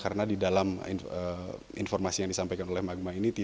karena di dalam informasi yang disampaikan oleh magma ini